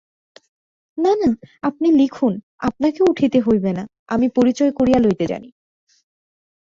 না না, আপনি লিখুন, আপনাকে উঠিতে হইবে না–আমি পরিচয় করিয়া লইতে জানি।